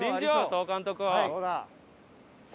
総監督を。